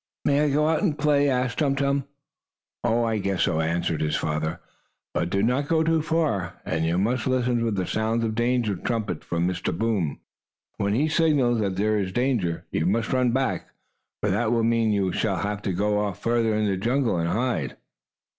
"May I go out and play?" asked Tum Tum. "Oh, I guess so," answered his father. "But do not go too far away. And you must listen for the sound of the danger trumpet from Mr. Boom. When he signals that there is danger, you must run back, for that will mean we shall have to go off farther in the jungle, and hide."